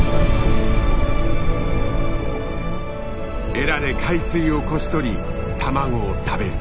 エラで海水をこし取り卵を食べる。